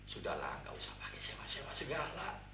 sudahlah enggak usah pakai sewa sewa segala